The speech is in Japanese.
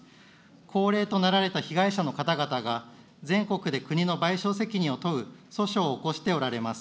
高齢となられた被害者の方々が全国で国の賠償責任を問う訴訟を起こしておられます。